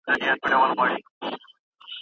دا څېړنه به ستا په ژوند کي یو لوی بدلون راولي.